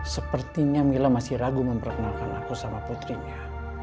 sepertinya mila masih ragu memperkenalkan aku sama putrinya